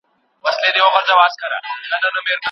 ولې ځينې خلګ له مطالعې سره مينه نه لري؟